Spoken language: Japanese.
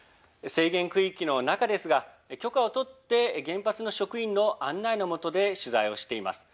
制限区域の中ですが許可を取って原発の職員の案内のもとで取材をしています。